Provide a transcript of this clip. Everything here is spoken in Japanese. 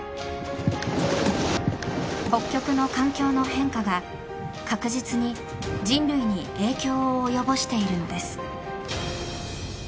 北極の環境の変化が確実に人類に影響を及ぼしているのです。